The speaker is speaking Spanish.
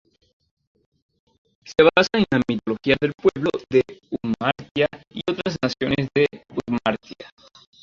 Se basa en la mitología del pueblo de Udmurtia y otras naciones de Udmurtia.